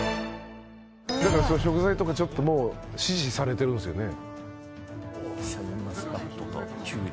食材とかちょっともう指示されてるんすよね？